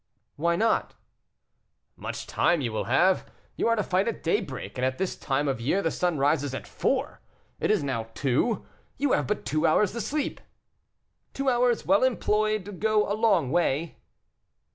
"Why not?" "Much time you will have. You are to fight at daybreak; and at this time of year the sun rises at four. It is now two; you have but two hours to sleep." "Two hours well employed go a long way."